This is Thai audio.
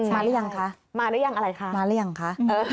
มาแล้วยังคะมาแล้วยังอะไรคะมาแล้วยังคะ